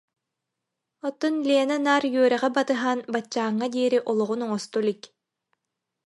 Оттон Лена наар үөрэҕи батыһан баччааҥҥа диэри олоҕун оҥосто илик